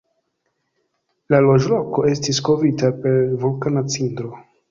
La loĝloko estis kovrita per vulkana cindro.